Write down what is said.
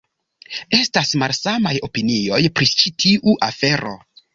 Estas malsamaj opinioj pri ĉi tiu afero.